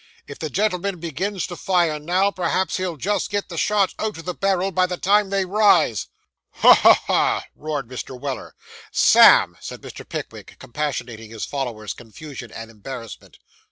'If the gentleman begins to fire now, perhaps he'll just get the shot out of the barrel by the time they rise.' 'Ha! ha! ha!' roared Mr. Weller. 'Sam,' said Mr. Pickwick, compassionating his follower's confusion and embarrassment.